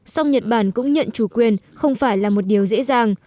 song nhật bản cũng nhận chủ quyền không phải là một điều dễ dàng